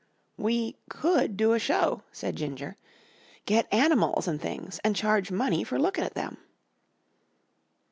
"We could do a show," said Ginger. "Get animals an' things an' charge money for lookin' at them."